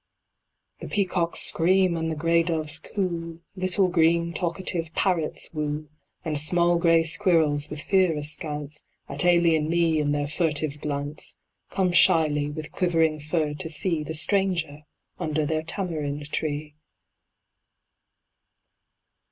The peacocks scream and the grey Doves coo, Little green, talkative Parrots woo, And small grey Squirrels, with fear askance, At alien me, in their furtive glance, Come shyly, with quivering fur, to see The stranger under their Tamarind tree.